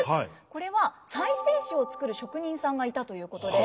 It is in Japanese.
これは再生紙を作る職人さんがいたということで。